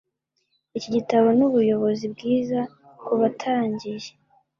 Iki gitabo nubuyobozi bwiza kubatangiye.